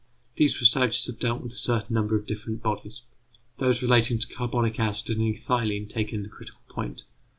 These researches have dealt with a certain number of different bodies. Those relating to carbonic acid and ethylene take in the critical point.